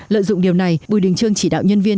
lợi dụng điều này bùi đình trương chỉ đạo nhân viên